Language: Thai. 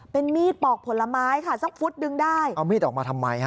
เป็นมีดปอกผลไม้ค่ะสักฟุตดึงได้เอามีดออกมาทำไมฮะ